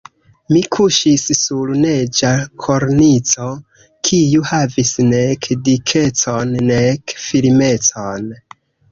Mi kuŝis sur neĝa kornico, kiu havis nek dikecon nek firmecon.